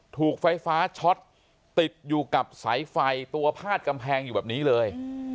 ถูกไฟฟ้าช็อตติดอยู่กับสายไฟตัวพาดกำแพงอยู่แบบนี้เลย